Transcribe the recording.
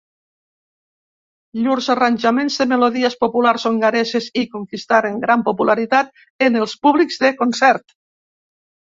Llurs arranjaments de melodies populars hongareses i conquistaren gran popularitat en els públics de concert.